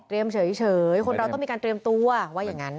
เฉยคนเราต้องมีการเตรียมตัวว่าอย่างนั้น